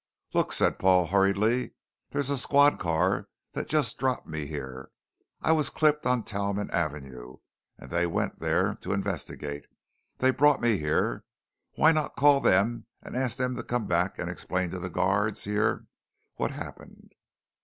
"Look," said Paul hurriedly, "there's a squad car that just dropped me here. I was clipped on Talman Avenue and they went there to investigate, they brought me here. Why not call them and ask them to come back and explain to the guards here what happened?"